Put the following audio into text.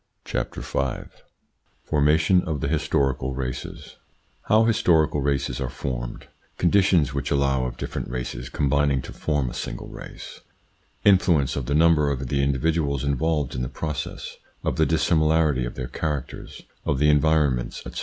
CHAPTER V FORMATION OF THE HISTORICAL RACES How historical races are formed Conditions which allow of different races combining to form a single race Influence of the number of the individuals involved in the process, of the dissimilarity of their characters, of the environments, etc.